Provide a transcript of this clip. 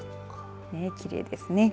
きれいですね。